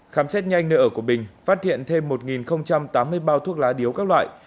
khám xét nhanh nơi ở của bình phát hiện thêm một tám mươi bao thuốc lá điếu các loại